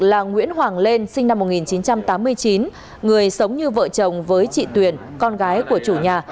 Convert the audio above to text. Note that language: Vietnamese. là nguyễn hoàng lên sinh năm một nghìn chín trăm tám mươi chín người sống như vợ chồng với chị tuyền con gái của chủ nhà